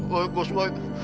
baik bos baik